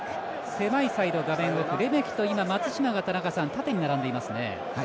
狭いサイド、画面奥レメキと松島が田中さん、縦に並んでいますね。